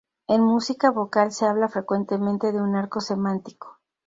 En música vocal se habla frecuentemente de un arco semántico.